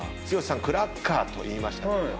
剛さん「クラッカー」と言いました。